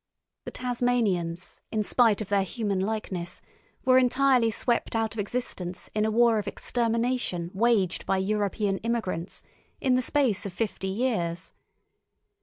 The Tasmanians, in spite of their human likeness, were entirely swept out of existence in a war of extermination waged by European immigrants, in the space of fifty years.